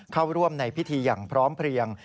เข้าร่วมในพิธีอย่างพร้อมเพลียง